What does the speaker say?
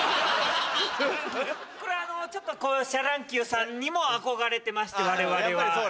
ちょっとシャ乱Ｑさんにも憧れてまして我々は。